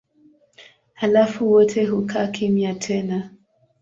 Halafu wote hukaa kimya tena.